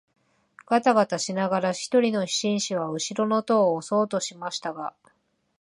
がたがたしながら一人の紳士は後ろの戸を押そうとしましたが、